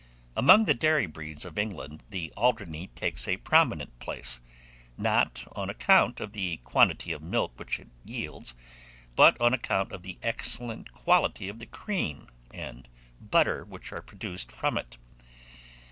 Among the dairy breeds of England, the Alderney takes a prominent place, not on account of the quantity of milk which it yields, but on account of the excellent quality of the cream and butter which are produced from it.